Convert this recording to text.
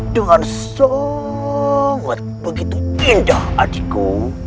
dengan sangat begitu indah adikku